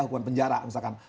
hukuman penjara misalkan